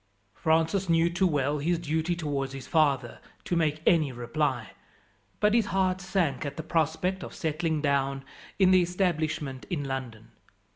Francis knew too well his duty towards his father to make any reply, but his heart sank at the prospect of settling down in the establishment in London.